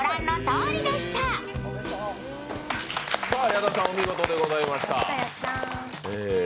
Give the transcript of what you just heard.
矢田さん、お見事でございました。